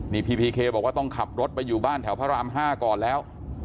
นี่พีพีเคบอกว่าต้องขับรถไปอยู่บ้านแถวพระราม๕ก่อนแล้ว